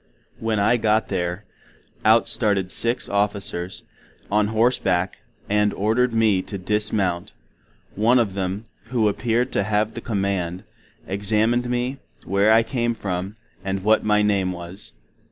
When I got there, out Started Six officers, on Horse back, and orderd me to dismount;—one of them, who appeared to have the command, examined me, where I came from, and what my Name Was?